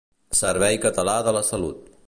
Servei Català de la Salut.